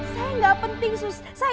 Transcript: saya gak penting sus